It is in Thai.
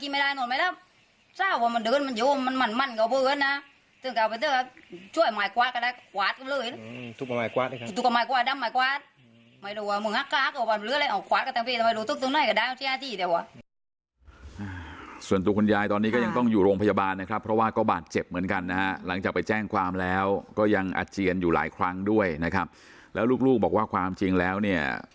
ไม่รู้ว่ามึงฮักกราคหรืออะไรออกกวาดกับตังค์พี่